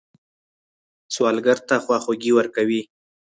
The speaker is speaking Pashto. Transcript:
سوالګر ته خواخوږي ورکوئ